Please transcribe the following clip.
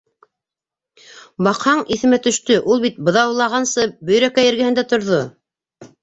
Баҡһаң, иҫемә төштө: ул бит быҙаулағансы Бөйрәкәй эргәһендә торҙо!